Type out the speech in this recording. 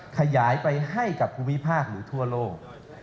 ขยายไปให้กับภูมิภาคหรือทั่วโลก